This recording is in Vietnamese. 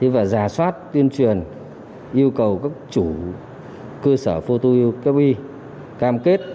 và giả soát tuyên truyền yêu cầu các chủ cơ sở phô tuyên truyền cam kết